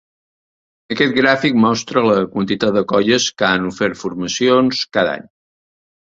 Aquest gràfic mostra la quantitat de colles que han ofert formacions cada any.